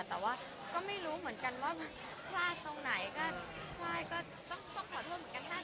แต่ว่าก็ไม่รู้เหมือนกันว่าพลาดตรงไหนก็ใช่ก็ต้องขอโทษเหมือนกันท่าน